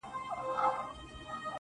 او ته خبر د کوم غریب د کور له حاله یې؟